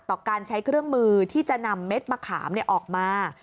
การใช้เครื่องมือที่จะนำเม็ดมะขามออกมา